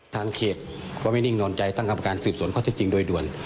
ทางเขตก็ไม่นิ่งนอนใจตั้งกรรมการสืบสวนข้อเท็จจริงโดยด่วน